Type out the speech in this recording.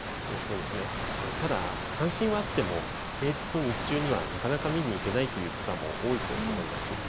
ただ関心はあっても平日の日中にはなかなか見に行けないという方も多いと思います。